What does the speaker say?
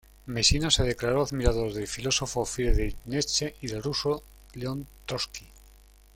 Mesina se declaró admirador del filósofo Friedrich Nietzsche y el ruso León Trotsky.